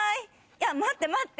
いや待って待って！